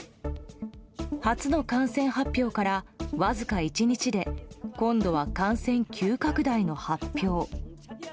初の感染発表から、わずか１日で今度は感染急拡大の発表。